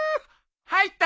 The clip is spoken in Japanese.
入った